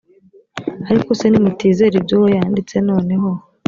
ariko se nimutizera ibyo uwo yanditse noneho